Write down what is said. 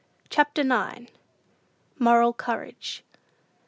CHAPTER IX. MORAL COURAGE.